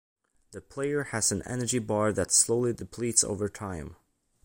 The player has an energy bar that slowly depletes over time.